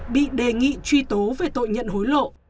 bị đề nghị truy tố về tội nhận hối lộ